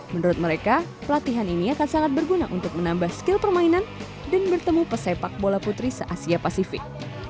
menurut mereka pelatihan ini akan sangat berguna untuk menambah skill permainan dan bertemu pesepak bola putri se asia pasifik